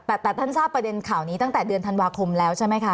แต่ท่านทราบประเด็นข่าวนี้ตั้งแต่เดือนธันวาคมแล้วใช่ไหมคะ